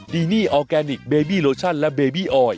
ดีนี่ออร์แกนิคเบบี้โลชั่นและเบบี้ออย